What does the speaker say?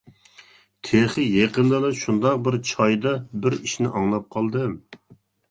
تېخى يېقىندىلا شۇنداق بىر چايدا بىر ئىشنى ئاڭلاپ قالدىم.